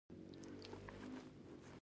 دا پیسې د یو څه وخت لپاره بې مصرفه پاتې کېږي